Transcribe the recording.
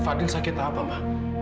fadil sakit apa ma